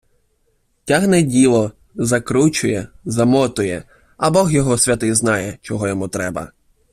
Тягне діло, закручує, замотує, а бог його святий знає, чого йому треба.